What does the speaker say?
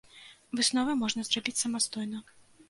Высновы можна зрабіць самастойна.